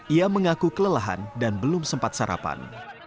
ia mengaku kelelahan dan belum sempat sarapan